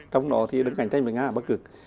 trong đó thì đứng cạnh tranh với nga ở bắt cực